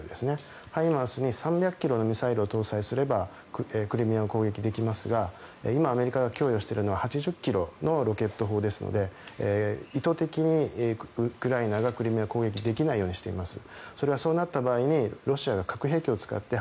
ＨＩＭＡＲＳに３００ｋｍのミサイルを搭載すればクリミアを攻撃できますが今、アメリカが供与しているのは８０ｋｍのロケット砲ですので意図的にウクライナがクリミアを攻撃できないようにしています。